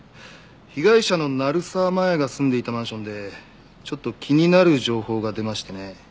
被害者の成沢真弥が住んでいたマンションでちょっと気になる情報が出ましてね。